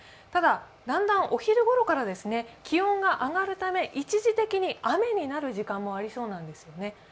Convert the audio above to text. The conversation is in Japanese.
ただ、だんだんお昼ごろから気温が上がるため一時的に雨になる時間もありそうなんです。